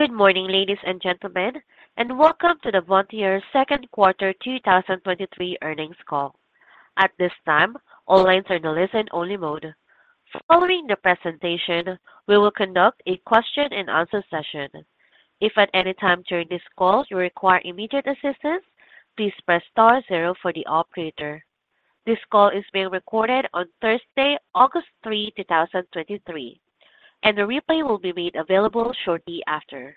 Good morning, ladies and gentlemen, and welcome to the Vontier Second Quarter 2023 earnings call. At this time, all lines are in a listen-only mode. Following the presentation, we will conduct a question-and-answer session. If at any time during this call you require immediate assistance, please press star zero for the operator. This call is being recorded on Thursday, August 3, 2023, and the replay will be made available shortly after.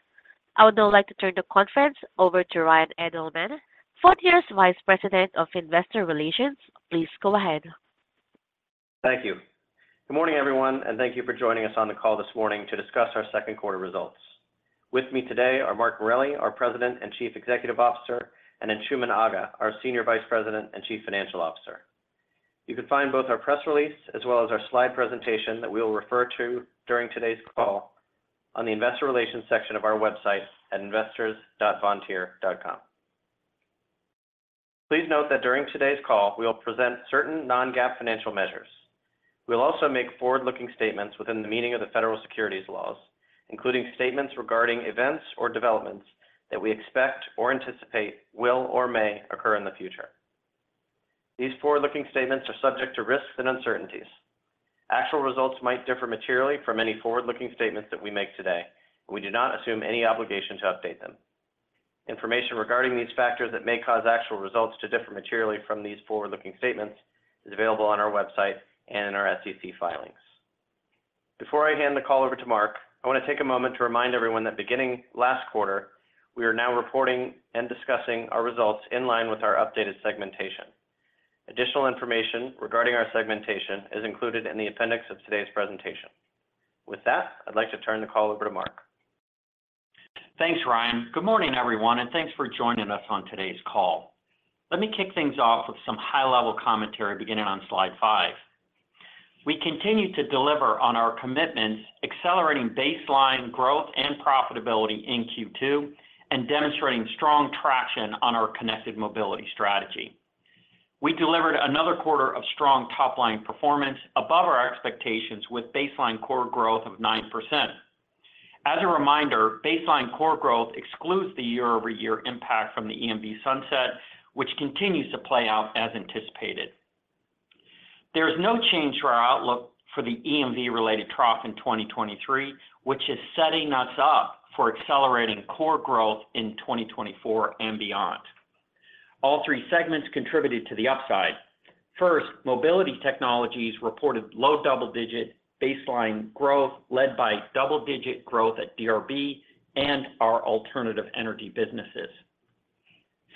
I would now like to turn the conference over to Ryan Edelman, Vontier's Vice President of Investor Relations. Please go ahead. Thank you. Good morning, everyone, and thank you for joining us on the call this morning to discuss our second quarter results. With me today are Mark Morelli, our President and Chief Executive Officer, and Anshooman Aga, our Senior Vice President and Chief Financial Officer. You can find both our press release as well as our slide presentation that we will refer to during today's call on the Investor Relations section of our website at investors.vontier.com. Please note that during today's call, we will present certain non-GAAP financial measures. We will also make forward-looking statements within the meaning of the federal securities laws, including statements regarding events or developments that we expect or anticipate will or may occur in the future. These forward-looking statements are subject to risks and uncertainties. Actual results might differ materially from any forward-looking statements that we make today, and we do not assume any obligation to update them. Information regarding these factors that may cause actual results to differ materially from these forward-looking statements is available on our website and in our SEC filings. Before I hand the call over to Mark, I want to take a moment to remind everyone that beginning last quarter, we are now reporting and discussing our results in line with our updated segmentation. Additional information regarding our segmentation is included in the appendix of today's presentation. With that, I'd like to turn the call over to Mark. Thanks, Ryan. Good morning, everyone, and thanks for joining us on today's call. Let me kick things off with some high-level commentary beginning on slide five. We continue to deliver on our commitments, accelerating baseline growth and profitability in Q2, and demonstrating strong traction on our connected mobility strategy. We delivered another quarter of strong top-line performance above our expectations, with baseline core growth of 9%. As a reminder, baseline core growth excludes the year-over-year impact from the EMV sunset, which continues to play out as anticipated. There is no change to our outlook for the EMV-related trough in 2023, which is setting us up for accelerating core growth in 2024 and beyond. All three segments contributed to the upside. First, Mobility Technologies reported low double-digit baseline growth, led by double-digit growth at DRB and our alternative energy businesses.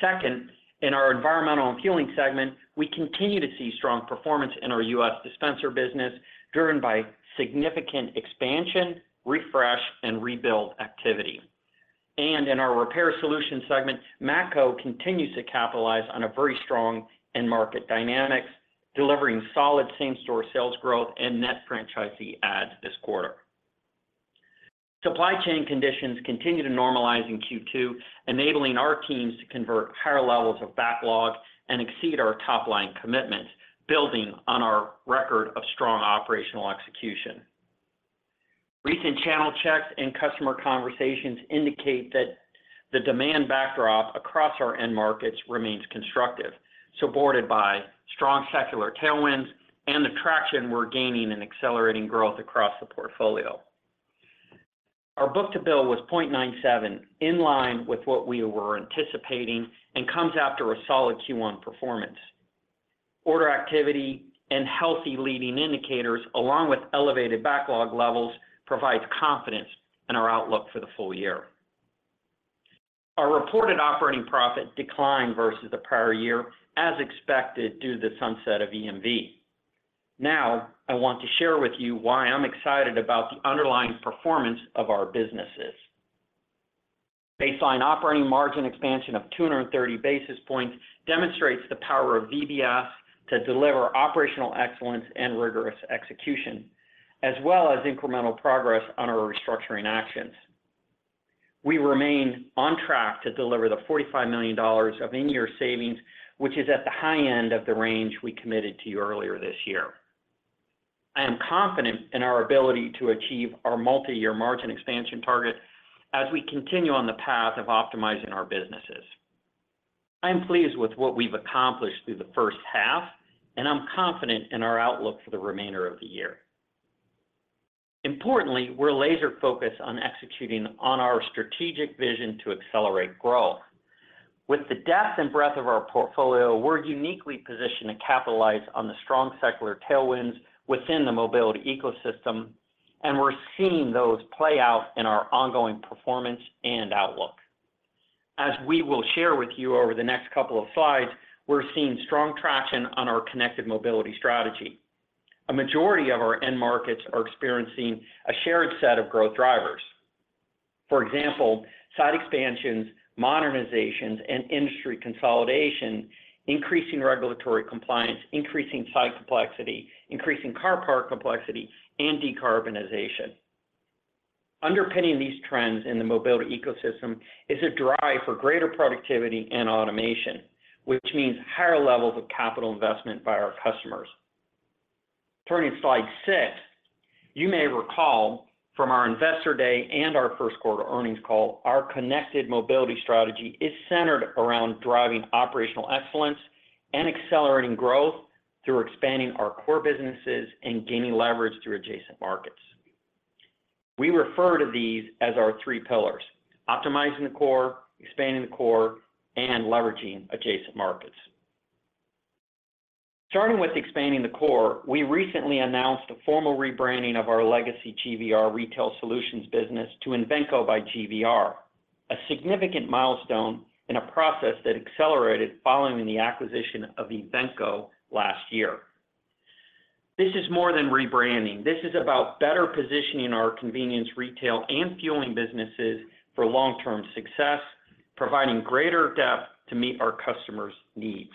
Second, in our Environmental and Fueling segment, we continue to see strong performance in our U.S. dispenser business, driven by significant expansion, refresh, and rebuild activity. In our Repair Solutions segment, Matco continues to capitalize on a very strong end-market dynamics, delivering solid same-store sales growth and net franchisee adds this quarter. Supply chain conditions continue to normalize in Q2, enabling our teams to convert higher levels of backlog and exceed our top-line commitments, building on our record of strong operational execution. Recent channel checks and customer conversations indicate that the demand backdrop across our end markets remains constructive, supported by strong secular tailwinds and the traction we're gaining in accelerating growth across the portfolio. Our book-to-bill was 0.97, in line with what we were anticipating, and comes after a solid Q1 performance. Order activity and healthy leading indicators, along with elevated backlog levels, provides confidence in our outlook for the full year. Our reported operating profit declined versus the prior year, as expected, due to the sunset of EMV. I want to share with you why I'm excited about the underlying performance of our businesses. Baseline operating margin expansion of 230 basis points demonstrates the power of VBS to deliver operational excellence and rigorous execution, as well as incremental progress on our restructuring actions. We remain on track to deliver the $45 million of in-year savings, which is at the high end of the range we committed to you earlier this year. I am confident in our ability to achieve our multi-year margin expansion target as we continue on the path of optimizing our businesses. I am pleased with what we've accomplished through the first half, and I'm confident in our outlook for the remainder of the year. Importantly, we're laser-focused on executing on our strategic vision to accelerate growth. With the depth and breadth of our portfolio, we're uniquely positioned to capitalize on the strong secular tailwinds within the mobility ecosystem, and we're seeing those play out in our ongoing performance and outlook. As we will share with you over the next couple of slides, we're seeing strong traction on our connected mobility strategy. A majority of our end markets are experiencing a shared set of growth drivers. For example, site expansions, modernizations, and industry consolidation, increasing regulatory compliance, increasing site complexity, increasing car park complexity, and decarbonization. Underpinning these trends in the mobility ecosystem is a drive for greater productivity and automation, which means higher levels of capital investment by our customers.. Turning to slide six, you may recall from our Investor Day and our first quarter earnings call, our connected mobility strategy is centered around driving operational excellence and accelerating growth through expanding our core businesses and gaining leverage through adjacent markets. We refer to these as our three pillars: optimizing the core, expanding the core, and leveraging adjacent markets. Starting with expanding the core, we recently announced a formal rebranding of our legacy GVR Retail Solutions business to Invenco by GVR, a significant milestone in a process that accelerated following the acquisition of Invenco last year. This is more than rebranding. This is about better positioning our convenience retail and fueling businesses for long-term success, providing greater depth to meet our customers' needs.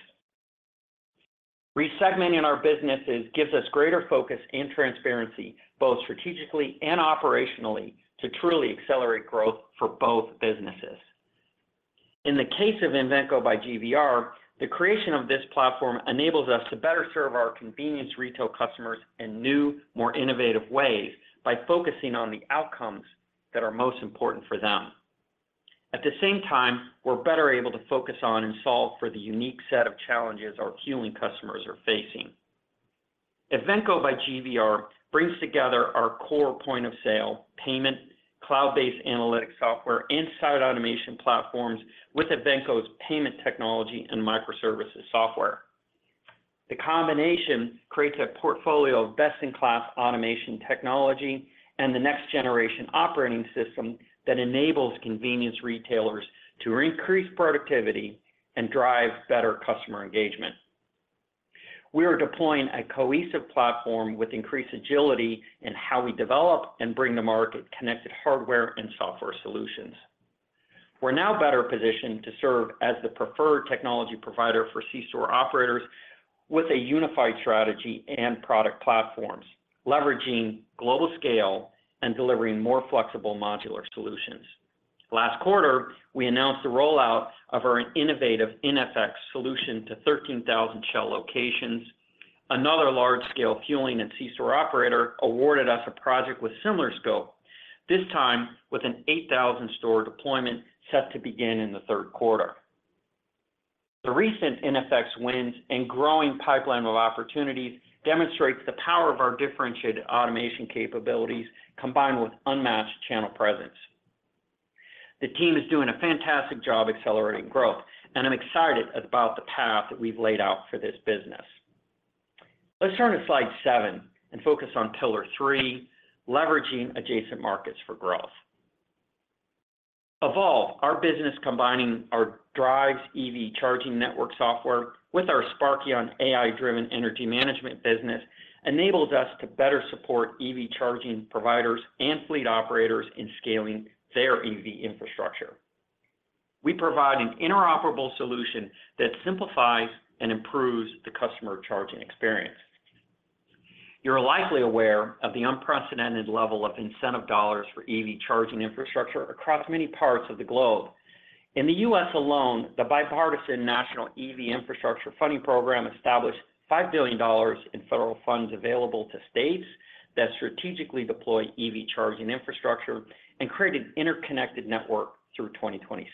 Re-segmenting our businesses gives us greater focus and transparency, both strategically and operationally, to truly accelerate growth for both businesses. In the case of Invenco by GVR, the creation of this platform enables us to better serve our convenience retail customers in new, more innovative ways by focusing on the outcomes that are most important for them. At the same time, we're better able to focus on and solve for the unique set of challenges our fueling customers are facing. Invenco by GVR brings together our core point-of-sale, payment, cloud-based analytics software, and site automation platforms with Invenco's payment technology and microservices software. The combination creates a portfolio of best-in-class automation technology and the next-generation operating system that enables convenience retailers to increase productivity and drive better customer engagement. We are deploying a cohesive platform with increased agility in how we develop and bring to market connected hardware and software solutions. We're now better positioned to serve as the preferred technology provider for C-store operators with a unified strategy and product platforms, leveraging global scale and delivering more flexible modular solutions. Last quarter, we announced the rollout of our innovative iNFX solution to 13,000 Shell locations. Another large-scale fueling and C-store operator awarded us a project with similar scope, this time with an 8,000-store deployment set to begin in the third quarter. The recent iNFX wins and growing pipeline of opportunities demonstrate the power of our differentiated automation capabilities, combined with unmatched channel presence. The team is doing a fantastic job accelerating growth, and I'm excited about the path that we've laid out for this business. Let's turn to slide seven and focus on pillar three, leveraging adjacent markets for growth. EVolve, our business combining our Driivz EV charging network software with our Sparkion AI-driven energy management business, enables us to better support EV charging providers and fleet operators in scaling their EV infrastructure. We provide an interoperable solution that simplifies and improves the customer charging experience. You're likely aware of the unprecedented level of incentive dollars for EV charging infrastructure across many parts of the globe. In the U.S. alone, the bipartisan National EV Infrastructure Funding Program established $5 billion in federal funds available to states that strategically deploy EV charging infrastructure and create an interconnected network through 2026.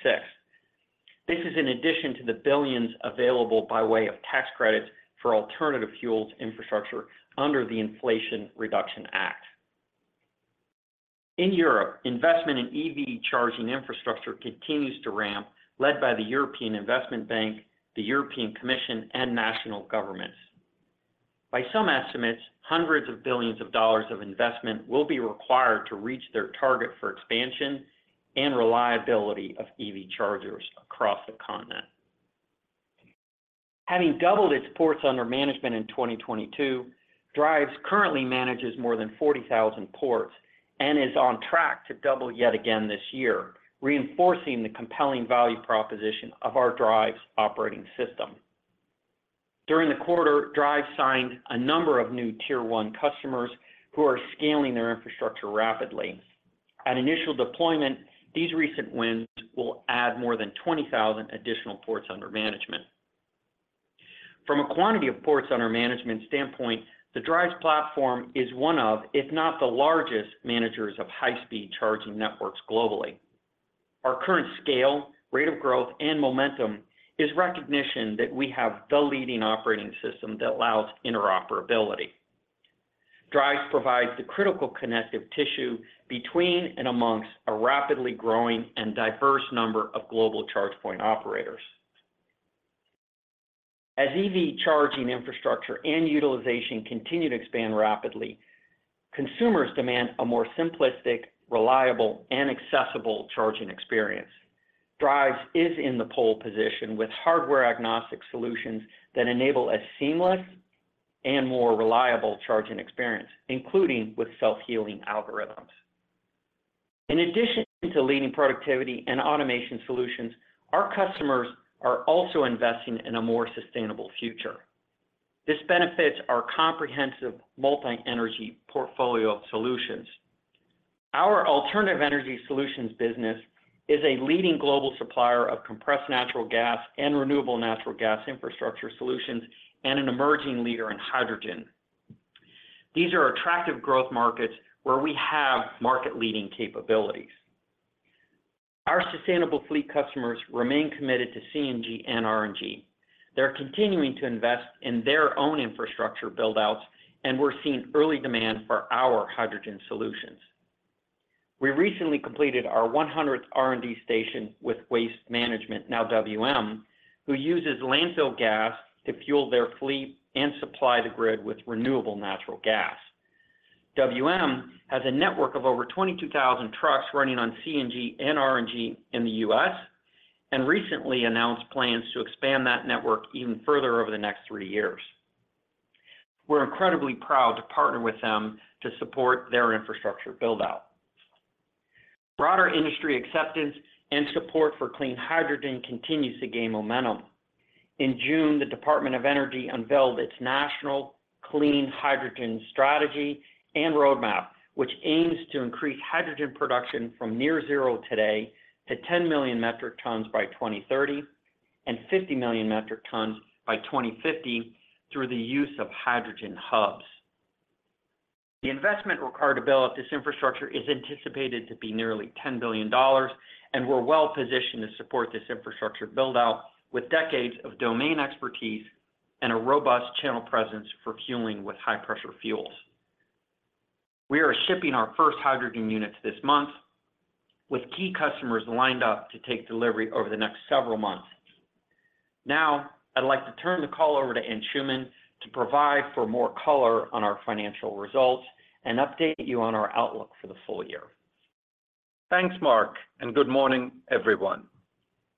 This is in addition to the billions available by way of tax credits for alternative fuels infrastructure under the Inflation Reduction Act. In Europe, investment in EV charging infrastructure continues to ramp, led by the European Investment Bank, the European Commission, and national governments. By some estimates, hundreds of billions of dollars of investment will be required to reach their target for expansion and reliability of EV chargers across the continent. Having doubled its ports under management in 2022, Driivz currently manages more than 40,000 ports and is on track to double yet again this year, reinforcing the compelling value proposition of our Driivz operating system. During the quarter, Driivz signed a number of new Tier 1 customers who are scaling their infrastructure rapidly. At initial deployment, these recent wins will add more than 20,000 additional ports under management. From a quantity of ports under management standpoint, the Driivz platform is one of, if not the largest, managers of high-speed charging networks globally. Our current scale, rate of growth, and momentum is recognition that we have the leading operating system that allows interoperability. Driivz provides the critical connective tissue between and amongst a rapidly growing and diverse number of global charge point operators. As EV charging infrastructure and utilization continue to expand rapidly, consumers demand a more simplistic, reliable, and accessible charging experience. Driivz is in the pole position with hardware-agnostic solutions that enable a seamless and more reliable charging experience, including with self-healing algorithms. In addition to leading productivity and automation solutions, our customers are also investing in a more sustainable future. This benefits our comprehensive multi-energy portfolio of solutions. Our Alternative Energy Solutions business is a leading global supplier of compressed natural gas and renewable natural gas infrastructure solutions, and an emerging leader in hydrogen. These are attractive growth markets where we have market-leading capabilities. Our sustainable fleet customers remain committed to CNG and RNG. They're continuing to invest in their own infrastructure build-outs, and we're seeing early demand for our hydrogen solutions. We recently completed our 100th RNG station with Waste Management, now WM, who uses landfill gas to fuel their fleet and supply the grid with renewable natural gas. WM has a network of over 22,000 trucks running on CNG and RNG in the U.S., and recently announced plans to expand that network even further over the next three years. We're incredibly proud to partner with them to support their infrastructure build-out. Broader industry acceptance and support for clean hydrogen continues to gain momentum. In June, the U.S. Department of Energy unveiled its National Clean Hydrogen Strategy and Roadmap, which aims to increase hydrogen production from near zero today to 10 million metric tons by 2030, and 50 million metric tons by 2050 through the use of hydrogen hubs. The investment required to build up this infrastructure is anticipated to be nearly $10 billion. We're well-positioned to support this infrastructure build-out, with decades of domain expertise and a robust channel presence for fueling with high-pressure fuels. We are shipping our first hydrogen units this month, with key customers lined up to take delivery over the next several months. Now, I'd like to turn the call over to Anshooman to provide for more color on our financial results and update you on our outlook for the full year. Thanks, Mark, good morning, everyone.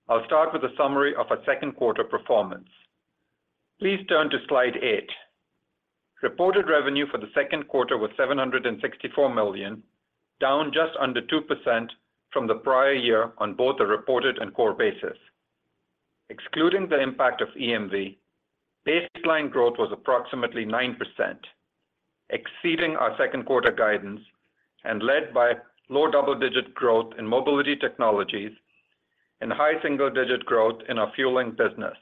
I'll start with a summary of our second quarter performance. Please turn to slide eight. Reported revenue for the second quarter was $764 million, down just under 2% from the prior year on both a reported and core basis. Excluding the impact of EMV, baseline growth was approximately 9%, exceeding our second quarter guidance and led by low double-digit growth in Mobility Technologies and high single-digit growth in our fueling business.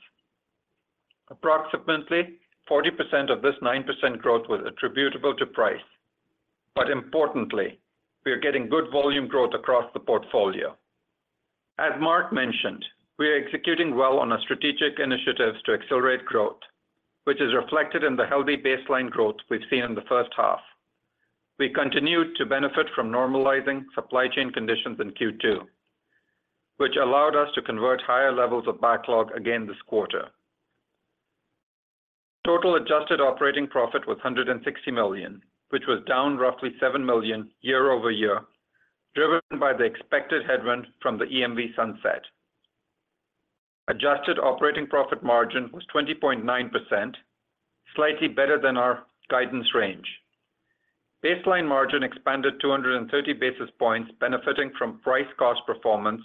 Approximately 40% of this 9% growth was attributable to price. Importantly, we are getting good volume growth across the portfolio. As Mark mentioned, we are executing well on our strategic initiatives to accelerate growth, which is reflected in the healthy baseline growth we've seen in the first half. We continued to benefit from normalizing supply chain conditions in Q2, which allowed us to convert higher levels of backlog again this quarter. Total adjusted operating profit was $160 million, which was down roughly $7 million year-over-year, driven by the expected headwind from the EMV sunset. Adjusted operating profit margin was 20.9%, slightly better than our guidance range. Baseline margin expanded 230 basis points, benefiting from price cost performance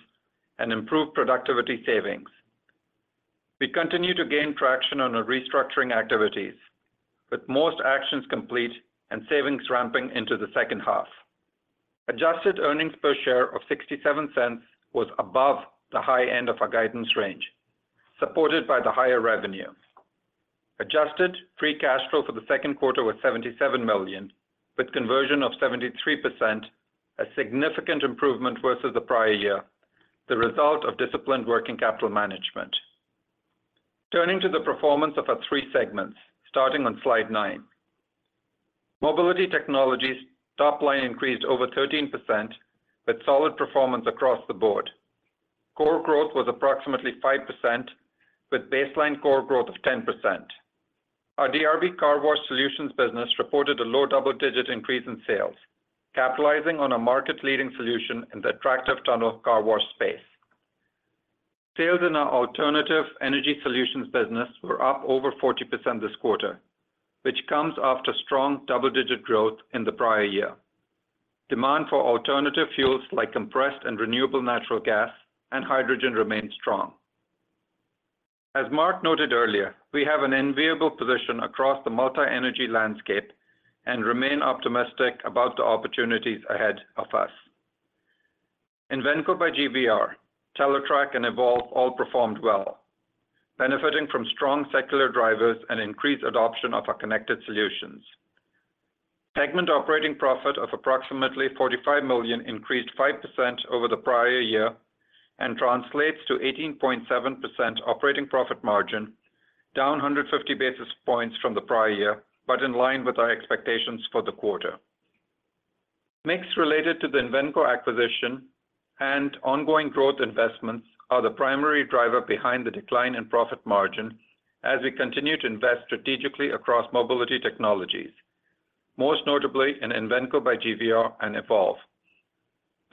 and improved productivity savings. We continue to gain traction on our restructuring activities, with most actions complete and savings ramping into the second half. Adjusted earnings per share of $0.67 was above the high end of our guidance range, supported by the higher revenue. Adjusted free cash flow for the second quarter was $77 million, with conversion of 73%, a significant improvement versus the prior year, the result of disciplined working capital management. Turning to the performance of our three segments, starting on slide nine. Mobility Technologies' top line increased over 13%, with solid performance across the board. Core growth was approximately 5%, with baseline core growth of 10%. Our DRB Carwash Solutions business reported a low double-digit increase in sales, capitalizing on a market-leading solution in the attractive tunnel car wash space. Sales in our Alternative Energy Solutions business were up over 40% this quarter, which comes after strong double-digit growth in the prior year. Demand for alternative fuels like compressed and renewable natural gas and hydrogen remains strong. As Mark noted earlier, we have an enviable position across the multi-energy landscape and remain optimistic about the opportunities ahead of us. Invenco by GVR, Teletrac, and EVolve all performed well, benefiting from strong secular drivers and increased adoption of our connected solutions. Segment operating profit of approximately $45 million increased 5% over the prior year and translates to 18.7% operating profit margin, down 150 basis points from the prior year, but in line with our expectations for the quarter. Mix related to the Invenco acquisition and ongoing growth investments are the primary driver behind the decline in profit margin as we continue to invest strategically across Mobility Technologies, most notably in Invenco by GVR and EVolve.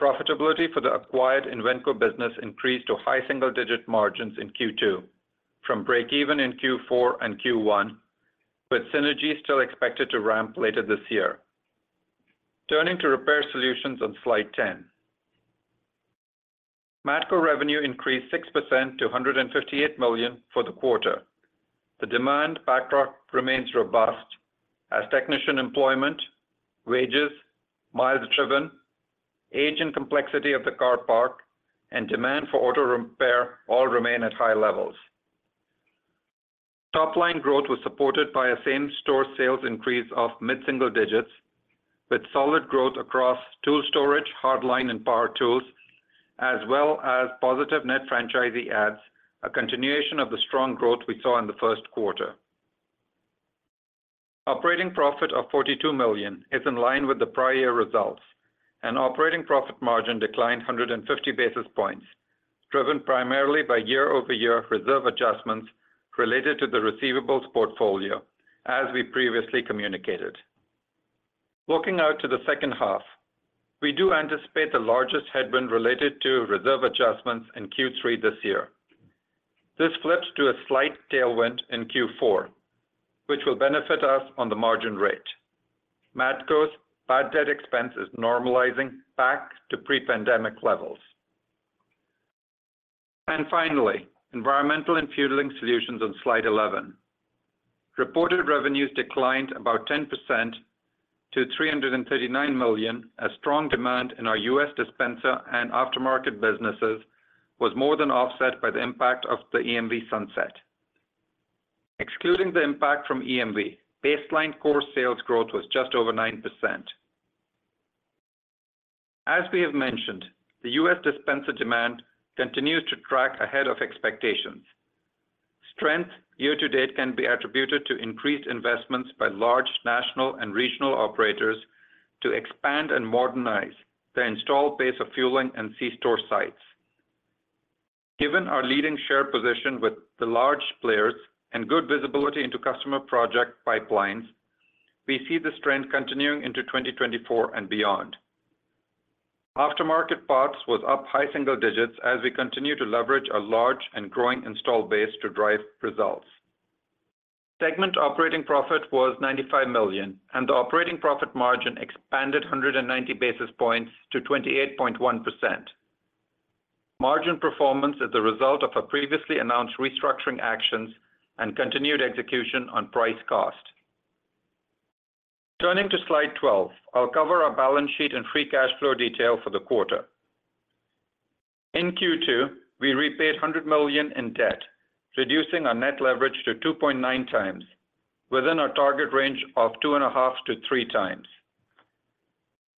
Profitability for the acquired Invenco business increased to high single-digit margins in Q2 from breakeven in Q4 and Q1, with synergy still expected to ramp later this year. Turning to Repair Solutions on slide 10. Matco revenue increased 6% to $158 million for the quarter. The demand backdrop remains robust as technician employment, wages, miles driven, age, and complexity of the car park, and demand for auto repair all remain at high levels. Top-line growth was supported by a same-store sales increase of mid-single digits, with solid growth across tool storage, hard line, and power tools, as well as positive net franchisee adds, a continuation of the strong growth we saw in the first quarter. Operating profit of $42 million is in line with the prior year results. Operating profit margin declined 150 basis points, driven primarily by year-over-year reserve adjustments related to the receivables portfolio, as we previously communicated. Looking out to the second half, we do anticipate the largest headwind related to reserve adjustments in Q3 this year. This flips to a slight tailwind in Q4, which will benefit us on the margin rate. Matco's bad debt expense is normalizing back to pre-pandemic levels. Finally, Environmental and Fueling Technologies on slide 11. Reported revenues declined about 10% to $339 million, as strong demand in our U.S. dispenser business and aftermarket businesses was more than offset by the impact of the EMV sunset. Excluding the impact from EMV, baseline core growth was just over 9%. As we have mentioned, the U.S. dispenser demand continues to track ahead of expectations. Strength year to date can be attributed to increased investments by large national and regional operators to expand and modernize their installed base of fueling and C-store sites. Given our leading share position with the large players and good visibility into customer project pipelines, we see this trend continuing into 2024 and beyond. Aftermarket parts was up high single digits as we continue to leverage a large and growing installed base to drive results. Segment operating profit was $95 million, the operating profit margin expanded 190 basis points to 28.1%. Margin performance is a result of a previously announced restructuring actions and continued execution on price-cost. Turning to slide 12, I'll cover our balance sheet and free cash flow detail for the quarter. In Q2, we repaid $100 million in debt, reducing our net leverage to 2.9x, within our target range of 2.5x-3x.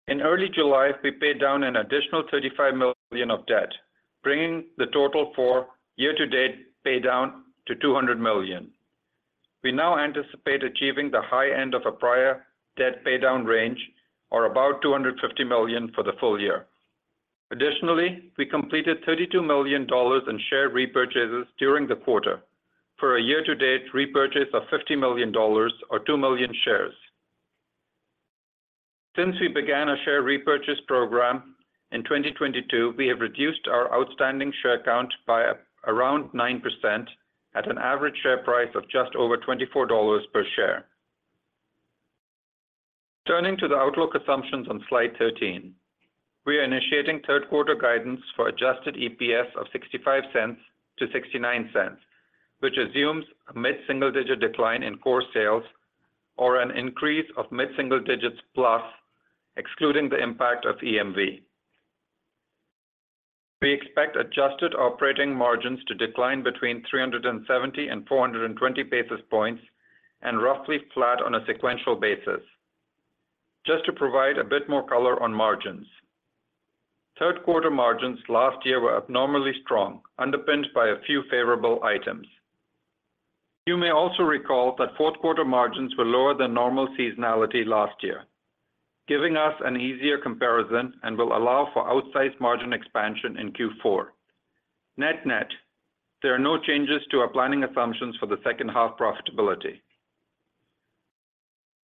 In early July, we paid down an additional $35 million of debt, bringing the total for year-to-date pay down to $200 million. We now anticipate achieving the high end of a prior debt paydown range, or about $250 million for the full year. Additionally, we completed $32 million in share repurchases during the quarter for a year-to-date repurchase of $50 million or 2 million shares. Since we began our share repurchase program in 2022, we have reduced our outstanding share count by around 9% at an average share price of just over $24 per share. Turning to the outlook assumptions on slide 13. We are initiating third-quarter guidance for adjusted EPS of $0.65-$0.69, which assumes a mid-single-digit decline in core sales or an increase of mid-single digits plus, excluding the impact of EMV. We expect adjusted operating margins to decline between 370 and 420 basis points and roughly flat on a sequential basis. Just to provide a bit more color on margins. Third-quarter margins last year were abnormally strong, underpinned by a few favorable items. You may also recall that fourth-quarter margins were lower than normal seasonality last year, giving us an easier comparison and will allow for outsized margin expansion in Q4. Net-net, there are no changes to our planning assumptions for the second half profitability.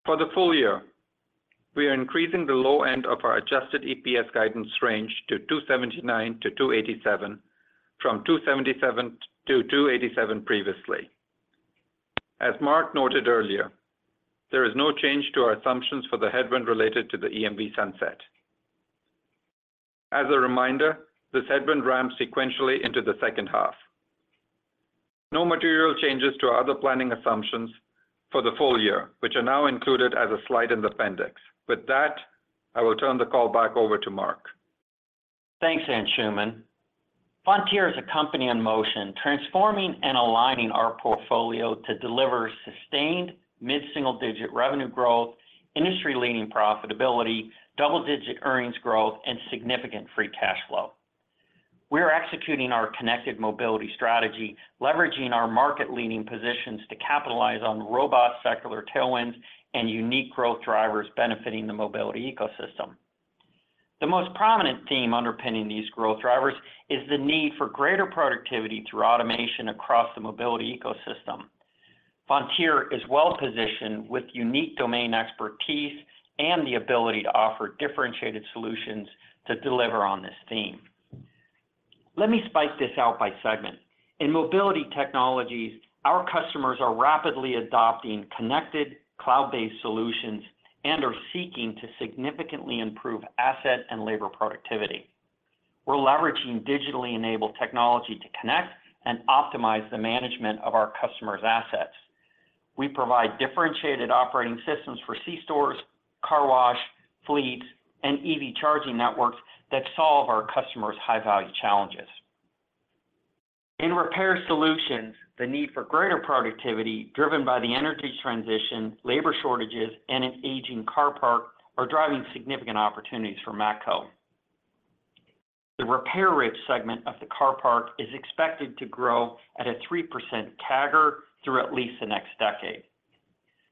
For the full year, we are increasing the low end of our adjusted EPS guidance range to $2.79-$2.87, from $2.77-$2.87 previously. As Mark noted earlier, there is no change to our assumptions for the headwind related to the EMV sunset. As a reminder, this headwind ramps sequentially into the second half. No material changes to our other planning assumptions for the full year, which are now included as a slide in the appendix. With that, I will turn the call back over to Mark. Thanks, Anshooman. Vontier is a company in motion, transforming and aligning our portfolio to deliver sustained mid-single-digit revenue growth, industry-leading profitability, double-digit earnings growth, and significant free cash flow. We are executing our connected mobility strategy, leveraging our market-leading positions to capitalize on robust secular tailwinds and unique growth drivers benefiting the mobility ecosystem. The most prominent theme underpinning these growth drivers is the need for greater productivity through automation across the mobility ecosystem. Vontier is well-positioned with unique domain expertise and the ability to offer differentiated solutions to deliver on this theme. Let me spike this out by segment. In Mobility Technologies, our customers are rapidly adopting connected cloud-based solutions and are seeking to significantly improve asset and labor productivity. We're leveraging digitally enabled technology to connect and optimize the management of our customers' assets. We provide differentiated operating systems for C-stores, car wash, fleets, and EV charging networks that solve our customers' high-value challenges. In Repair Solutions, the need for greater productivity, driven by the energy transition, labor shortages, and an aging car park, are driving significant opportunities for Matco. The repair rich segment of the car park is expected to grow at a 3% CAGR through at least the next decade.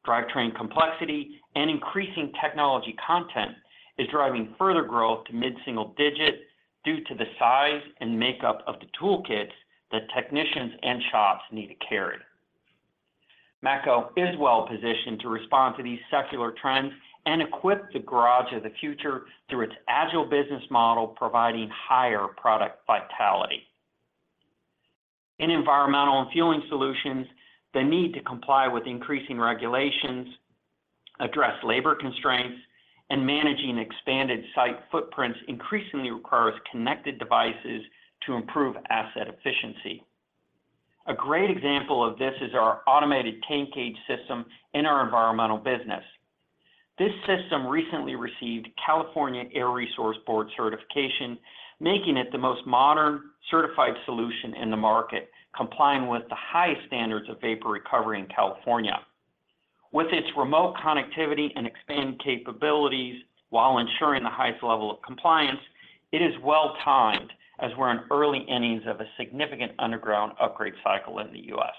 Drivetrain complexity and increasing technology content is driving further growth to mid-single digit due to the size and makeup of the toolkits that technicians and shops need to carry. Matco is well positioned to respond to these secular trends and equip the garage of the future through its agile business model, providing higher product vitality. In environmental and fueling solutions, the need to comply with increasing regulations, address labor constraints, and managing expanded site footprints increasingly requires connected devices to improve asset efficiency. A great example of this is our automated tank gauge system in our environmental business. This system recently received California Air Resources Board certification, making it the most modern certified solution in the market, complying with the highest standards of vapor recovery in California. With its remote connectivity and expanded capabilities while ensuring the highest level of compliance, it is well timed as we're in early innings of a significant underground upgrade cycle in the U.S.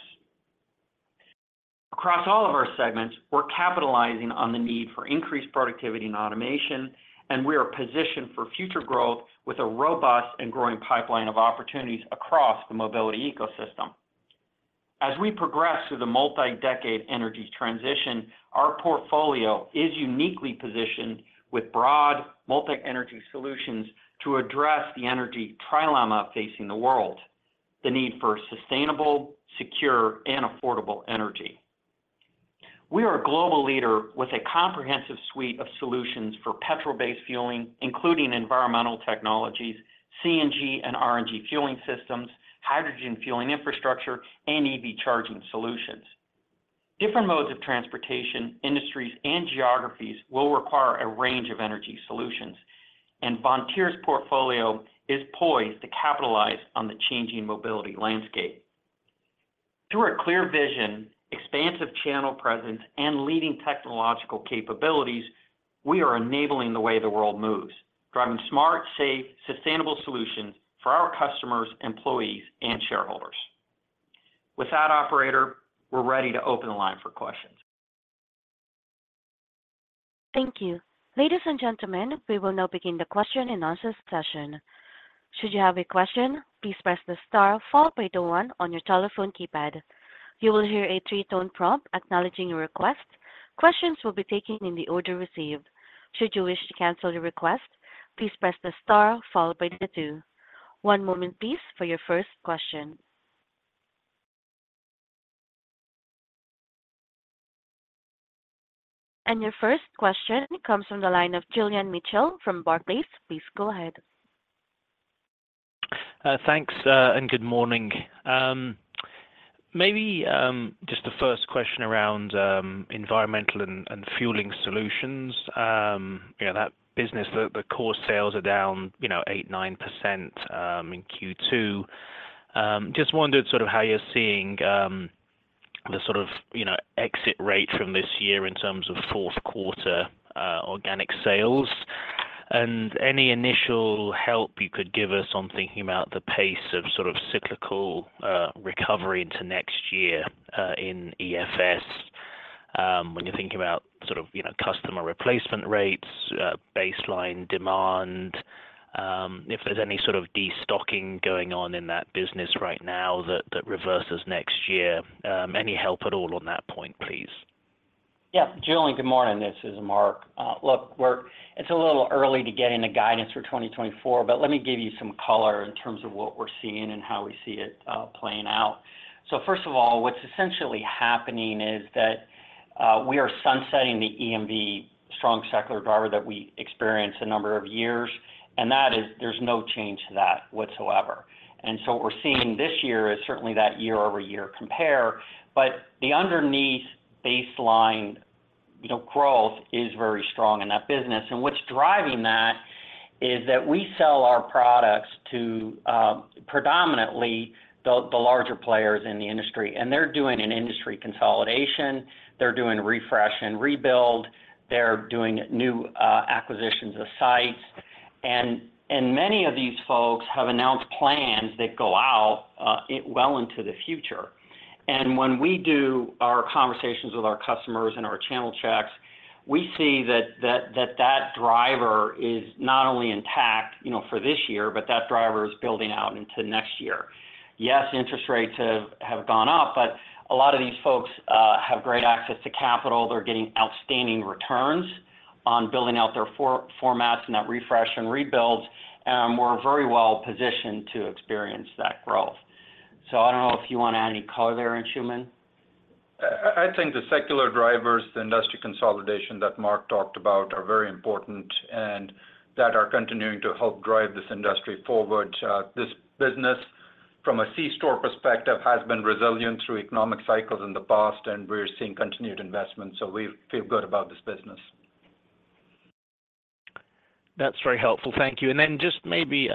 Across all of our segments, we're capitalizing on the need for increased productivity and automation, and we are positioned for future growth with a robust and growing pipeline of opportunities across the mobility ecosystem. As we progress through the multi-decade energy transition, our portfolio is uniquely positioned with broad multi-energy solutions to address the energy trilemma facing the world, the need for sustainable, secure and affordable energy. We are a global leader with a comprehensive suite of solutions for petrol-based fueling, including environmental technologies, CNG and RNG fueling systems, hydrogen fueling infrastructure, and EV charging solutions. Different modes of transportation, industries, and geographies will require a range of energy solutions, and Vontier's portfolio is poised to capitalize on the changing mobility landscape. Through our clear vision, expansive channel presence, and leading technological capabilities, we are enabling the way the world moves, driving smart, safe, sustainable solutions for our customers, employees, and shareholders. With that, operator, we're ready to open the line for questions. Thank you. Ladies and gentlemen, we will now begin the question-and-answer session. Should you have a question, please press the star followed by the one on your telephone keypad. You will hear a three-tone prompt acknowledging your request. Questions will be taken in the order received. Should you wish to cancel your request, please press the star followed by the two. One moment, please, for your first question. Your first question comes from the line of Julian Mitchell from Barclays. Please go ahead. Thanks, and good morning. Maybe, just the first question around Environmental and Fueling solutions. You know, that business, the core sales are down, you know, 8%-9% in Q2. Just wondered sort of how you're seeing the sort of, you know, exit rate from this year in terms of fourth quarter organic sales? Any initial help you could give us on thinking about the pace of sort of cyclical recovery into next year in EFS, when you're thinking about sort of, you know, customer replacement rates, baseline demand, if there's any sort of destocking going on in that business right now that, that reverses next year. Any help at all on that point, please? Yeah. Julian, good morning. This is Mark. Look, we're, it's a little early to get into guidance for 2024, but let me give you some color in terms of what we're seeing and how we see it playing out. First of all, what's essentially happening is that we are sunsetting the EMV strong secular driver that we experienced a number of years, and that is there's no change to that whatsoever. What we're seeing this year is certainly that year-over-year compare, but the underneath baseline, you know, growth is very strong in that business. What's driving that is that we sell our products to predominantly the, the larger players in the industry, and they're doing an industry consolidation, they're doing refresh and rebuild, they're doing new acquisitions of sites. Many of these folks have announced plans that go out, well into the future. When we do our conversations with our customers and our channel checks, we see that driver is not only intact, you know, for this year, but that driver is building out into next year. Interest rates have gone up, but a lot of these folks have great access to capital. They're getting outstanding returns on building out their for- formats and that refresh and rebuild, and we're very well positioned to experience that growth. I don't know if you wanna add any color there, Anshooman? I think the secular drivers, the industry consolidation that Mark talked about, are very important and that are continuing to help drive this industry forward. This business, from a C-store perspective, has been resilient through economic cycles in the past, and we're seeing continued investment. We feel good about this business. That's very helpful. Thank you. Then just maybe,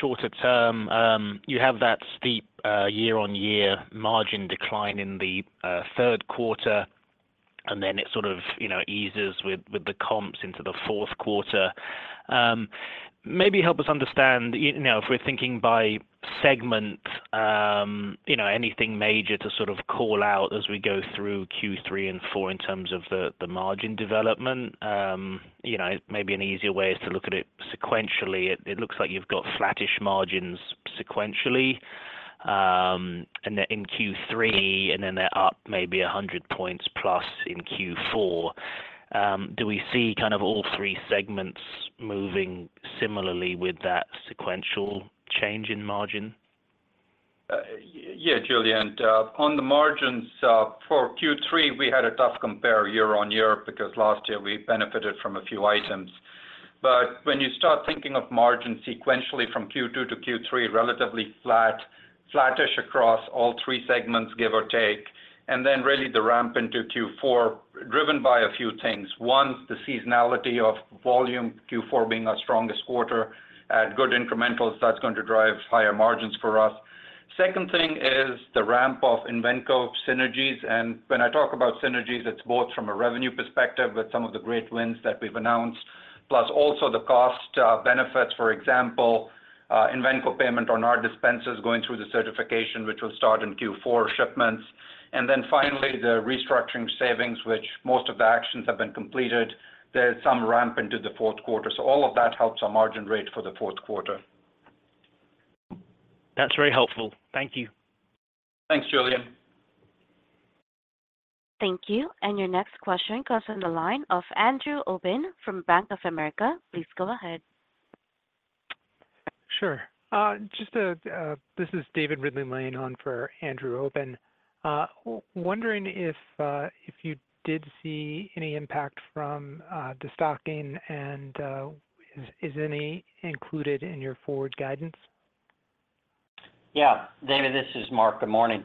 shorter term, you have that steep year-on-year margin decline in the third quarter, and then it sort of, you know, eases with, with the comps into the fourth quarter. Maybe help us understand, you know, if we're thinking by segment, you know, anything major to sort of call out as we go through Q3 and Q4 in terms of the, the margin development? You know, maybe an easier way is to look at it sequentially. It, it looks like you've got flattish margins sequentially, and then in Q3, and then they're up maybe 100 points plus in Q4. Do we see kind of all three segments moving similarly with that sequential change in margin? Yeah, Julian, on the margins for Q3, we had a tough compare year-on-year because last year we benefited from a few items. When you start thinking of margins sequentially from Q2 to Q3, relatively flat, flattish across all three segments, give or take, and then really the ramp into Q4, driven by a few things. One, the seasonality of volume, Q4 being our strongest quarter. At good incrementals, that's going to drive higher margins for us. Second thing is the ramp of Invenco synergies, and when I talk about synergies, it's both from a revenue perspective with some of the great wins that we've announced, plus also the cost benefits, for example, Invenco payment on our dispensers going through the certification, which will start in Q4 shipments. Finally, the restructuring savings, which most of the actions have been completed. There's some ramp into the fourth quarter, so all of that helps our margin rate for the fourth quarter. That's very helpful. Thank you. Thanks, Julian. Thank you. Your next question comes from the line of Andrew Obin from Bank of America. Please go ahead. Sure. Just, this is David Ridley-Lane on for Andrew Obin. Wondering if you did see any impact from destocking, and is any included in your forward guidance? Yeah, David, this is Mark. Good morning.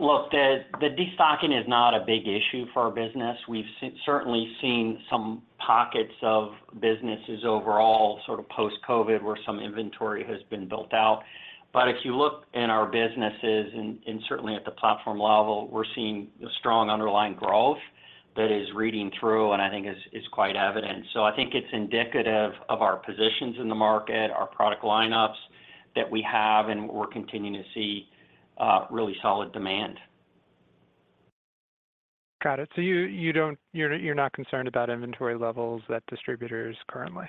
Look, the destocking is not a big issue for our business. We've certainly seen some pockets of businesses overall, sort of post-COVID, where some inventory has been built out. If you look in our businesses and certainly at the platform level, we're seeing a strong underlying growth that is reading through, and I think is quite evident. I think it's indicative of our positions in the market, our product lineups that we have, and we're continuing to see really solid demand. Got it. You're not concerned about inventory levels at distributors currently?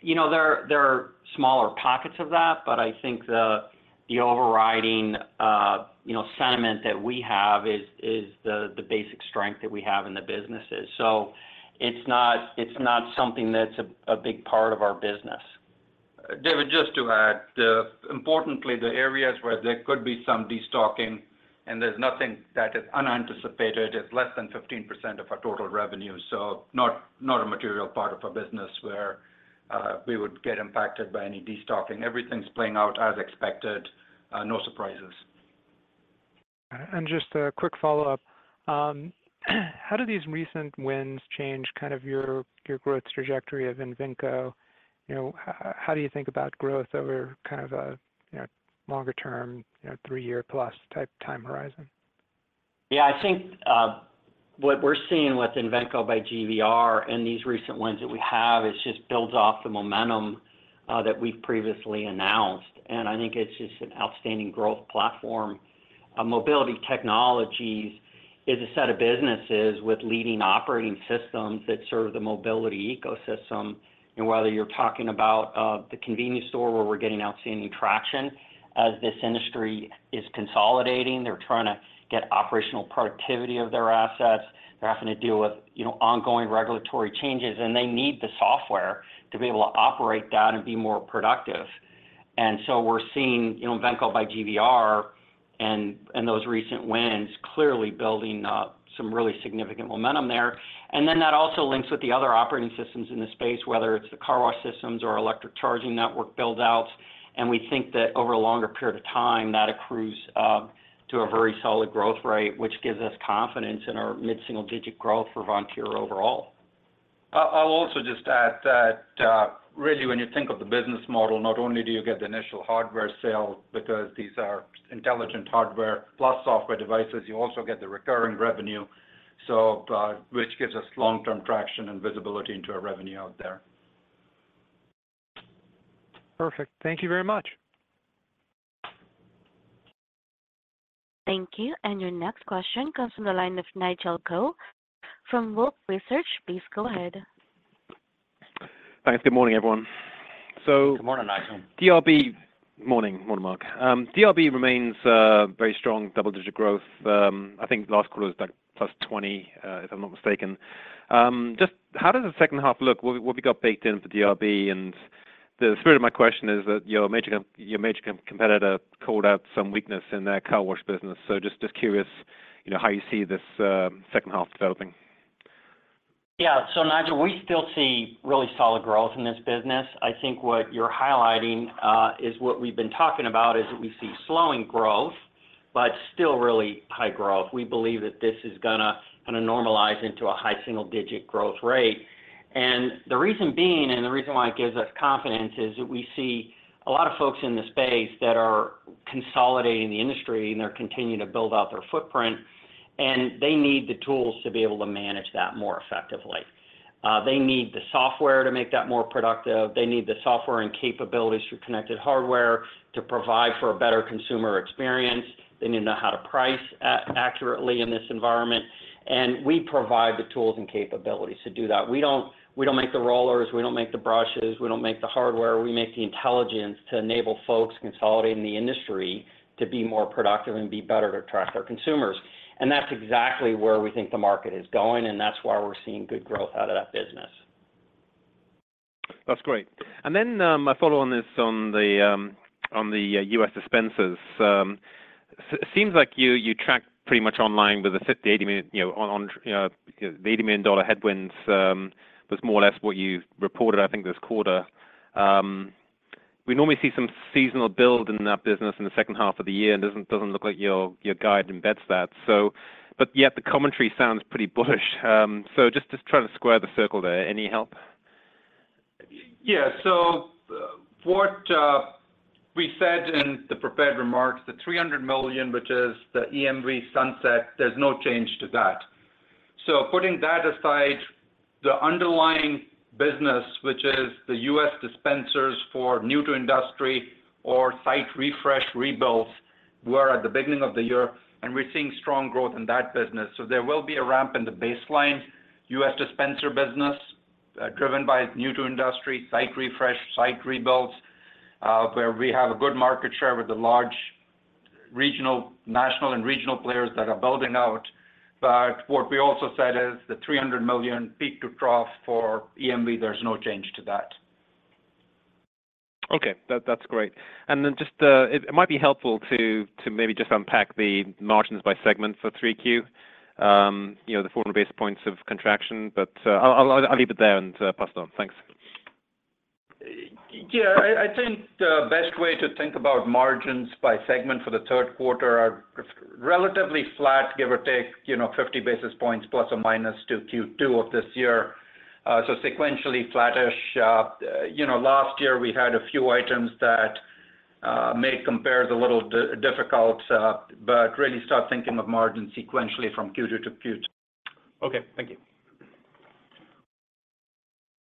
You know, there are smaller pockets of that, but I think the, the overriding, you know, sentiment that we have is the basic strength that we have in the businesses. It's not something that's a big part of our business. David, just to add, importantly, the areas where there could be some destocking, and there's nothing that is unanticipated, it's less than 15% of our total revenue, so not, not a material part of our business where we would get impacted by any destocking. Everything's playing out as expected, no surprises. Just a quick follow-up. How do these recent wins change kind of your growth trajectory of Invenco? You know, how do you think about growth over kind of a, you know, longer term, you know, three-year-plus type time horizon? Yeah, I think, what we're seeing with Invenco by GVR and these recent wins that we have, it just builds off the momentum, that we've previously announced, and I think it's just an outstanding growth platform. Mobility Technologies is a set of businesses with leading operating systems that serve the mobility ecosystem. Whether you're talking about, the convenience store, where we're getting outstanding traction, as this industry is consolidating, they're trying to get operational productivity of their assets. They're having to deal with, you know, ongoing regulatory changes, and they need the software to be able to operate that and be more productive. So we're seeing, you know, Invenco by GVR and, and those recent wins, clearly building up some really significant momentum there. That also links with the other operating systems in the space, whether it's the car wash systems or electric charging network build-outs, and we think that over a longer period of time, that accrues to a very solid growth rate, which gives us confidence in our mid-single-digit growth for Vontier overall. I'll also just add that, really, when you think of the business model, not only do you get the initial hardware sale, because these are intelligent hardware plus software devices, you also get the recurring revenue, so, which gives us long-term traction and visibility into our revenue out there. Perfect. Thank you very much. Thank you. Your next question comes from the line of Nigel Coe from Wolfe Research. Please go ahead. Thanks. Good morning, everyone. Good morning, Nigel. Morning, Mark. DRB remains very strong, double-digit growth. I think last quarter was about +20%, if I'm not mistaken. Just how does the second half look? What we got baked in for DRB? The spirit of my question is that your major competitor called out some weakness in their car wash business. Just, just curious, you know, how you see this second half developing. Yeah. Nigel, we still see really solid growth in this business. I think what you're highlighting, is what we've been talking about, is that we see slowing growth, but still really high growth. We believe that this is gonna normalize into a high single digit growth rate. The reason being, and the reason why it gives us confidence, is that we see a lot of folks in the space that are consolidating the industry, and they're continuing to build out their footprint, and they need the tools to be able to manage that more effectively. They need the software to make that more productive. They need the software and capabilities for connected hardware to provide for a better consumer experience. They need to know how to price accurately in this environment, and we provide the tools and capabilities to do that. We don't, we don't make the rollers, we don't make the brushes, we don't make the hardware. We make the intelligence to enable folks consolidating the industry to be more productive and be better to attract our consumers. That's exactly where we think the market is going, and that's why we're seeing good growth out of that business. That's great. My follow-up is on the U.S. dispensers. Seems like you, you track pretty much online with the $80 million, you know, on, on the $80 million headwinds, was more or less what you've reported, I think, this quarter. We normally see some seasonal build in that business in the second half of the year, and it doesn't look like your, your guide embeds that. The commentary sounds pretty bullish. Just trying to square the circle there. Any help? Yeah. What we said in the prepared remarks, the $300 million, which is the EMV sunset, there's no change to that. Putting that aside, the underlying business, which is the U.S. dispensers for new to industry or site refresh rebuilds, we're at the beginning of the year, and we're seeing strong growth in that business. There will be a ramp in the baseline U.S. dispenser business, driven by new to industry, site refresh, site rebuilds, where we have a good market share with the large regional, national and regional players that are building out. What we also said is the $300 million peak to trough for EMV, there's no change to that. Okay, that's great. Then just, itmight be helpful to maybe just unpack the margins by segment for 3Q. You know, the 4 basis points of contraction, but, I'll leave it there and, pass it on. Thanks. Yeah, I think the best way to think about margins by segment for the third quarter are relatively flat, give or take, you know, 50 basis points plus or minus to Q2 of this year. Sequentially, flattish. You know, last year we had a few items that make compares a little difficult, really start thinking of margins sequentially from Q2 to Q3. Okay. Thank you.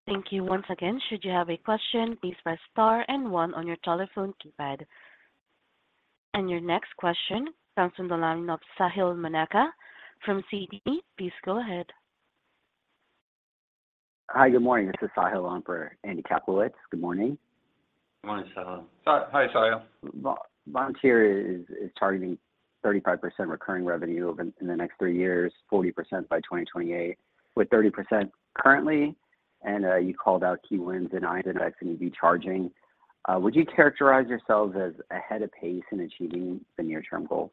Thank you. Once again, should you have a question, please press star and one on your telephone keypad. Your next question comes from the line of Sahil Manocha from Citi. Please go ahead. Hi, good morning. This is Sahil, on for Andy Kaplowitz. Good morning. Good morning, Sahil. Hi, Sahil. Vontier is targeting 35% recurring revenue over, in the next three years, 40% by 2028, with 30% currently. You called out key wins in iNFX and EV charging. Would you characterize yourselves as ahead of pace in achieving the near term goal?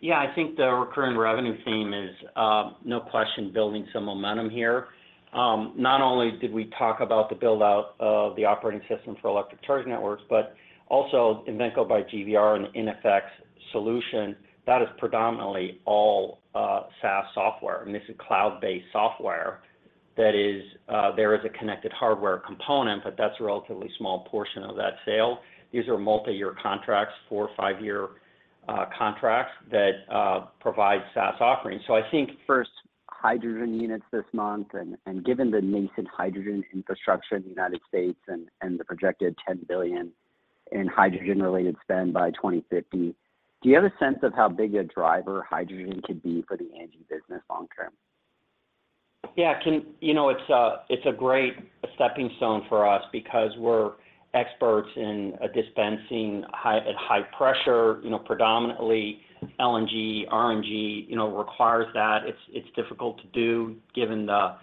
Yeah, I think the recurring revenue theme is, no question, building some momentum here. Not only did we talk about the build-out of the operating system for electric charge networks, but also in Invenco by GVR and iNFX solution, that is predominantly all SaaS software, and this is cloud-based software, that is, there is a connected hardware component, but that's a relatively small portion of that sale. These are multi-year contracts, four or five-year contracts that provide SaaS offerings. I think. First hydrogen units this month, and given the nascent hydrogen infrastructure in the U.S. and the projected $10 billion in hydrogen-related spend by 2050, do you have a sense of how big a driver hydrogen could be for the ANGI business long term? Yeah. You know, it's a great stepping stone for us because we're experts in dispensing at high pressure, you know, predominantly LNG, RNG, you know, requires that. It's difficult to do, given the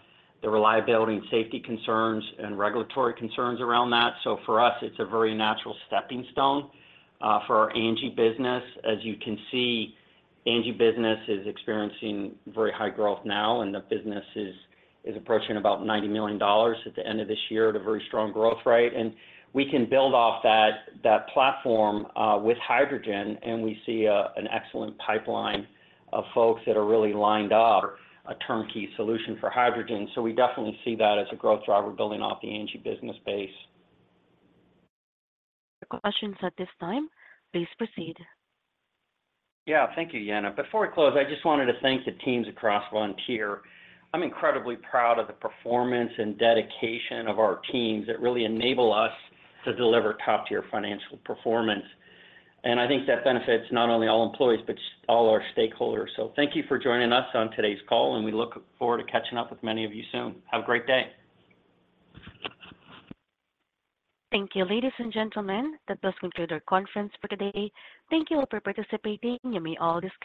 reliability and safety concerns and regulatory concerns around that. For us, it's a very natural stepping stone for our ANGI business. As you can see, ANGI business is experiencing very high growth now, the business is, is approaching about $90 million at the end of this year at a very strong growth rate. We can build off that, that platform with hydrogen, we see a, an excellent pipeline of folks that are really lined up a turnkey solution for hydrogen. We definitely see that as a growth driver building off the ANGI business base. No questions at this time. Please proceed. Yeah, thank you, Yena. Before we close, I just wanted to thank the teams across Vontier. I'm incredibly proud of the performance and dedication of our teams that really enable us to deliver top-tier financial performance. I think that benefits not only all employees, but all our stakeholders. Thank you for joining us on today's call, and we look forward to catching up with many of you soon. Have a great day. Thank you, ladies and gentlemen. That does conclude our conference for today. Thank you all for participating. You may all disconnect.